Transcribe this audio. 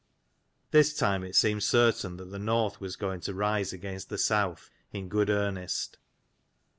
This time it seemed certain that the north was going to rise against the south in good earnest.